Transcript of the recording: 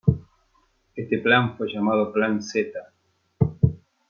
Este plan fue llamado Plan Zeta.